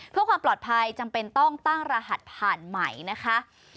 เพื่อความปลอดภัยจำเป็นต้องตั้งรหัสผ่านใหม่นะคะ